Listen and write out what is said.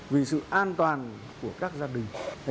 vì sự an toàn của các gia đình